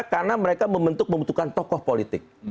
karena mereka membentuk membentukan tokoh politik